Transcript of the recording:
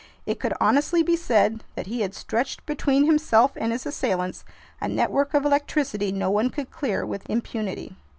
It could honestly be said that he had stretched between himself and his assailants a network of electricity no one could clear with impunity.